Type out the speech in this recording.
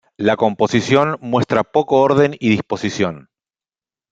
La composición muestra poco orden y disposición.